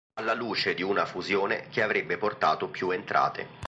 Alla luce di una fusione che avrebbe portato più entrate.